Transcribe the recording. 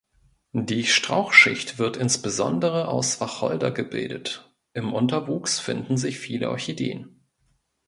Die Strauchschicht wird insbesondere aus Wacholder gebildet, im Unterwuchs finden sich viele Orchideen.